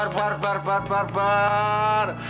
saper par par par par